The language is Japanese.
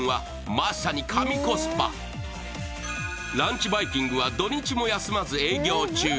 ランチバイキングは土日も休まず営業中。